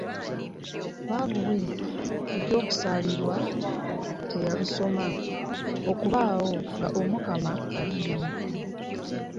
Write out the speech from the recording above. Baabuwe ekyokusaalirwa teyalusoma, okubaawo nga Omukama alinnya mu Ggulu.